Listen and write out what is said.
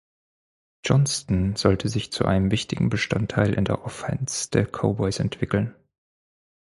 Johnston sollte sich zu einem wichtigen Bestandteil in der Offense der Cowboys entwickeln.